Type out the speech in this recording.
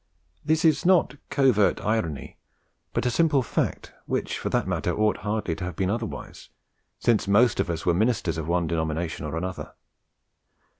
This is not covert irony, but a simple fact which, for that matter, ought hardly to have been otherwise, since most of us were ministers of one denomination or another.